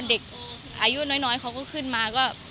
เด็กอายุน้อยเขาก็ขึ้นมาก็